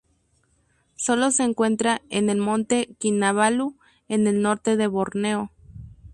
Sólo se encuentra en el Monte Kinabalu, en el norte de Borneo.